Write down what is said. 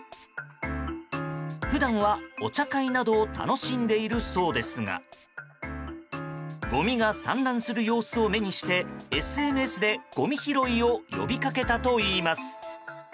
普段は、お茶会などを楽しんでいるそうですがごみが散乱する様子を目にしてＳＮＳでごみ拾いを呼びかけたといいます。